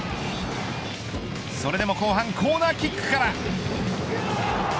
それでも後半コーナーキックから。